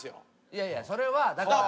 いやいやそれはだから。